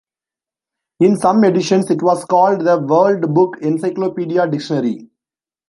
In some editions it was called the "World Book Encyclopedia Dictionary".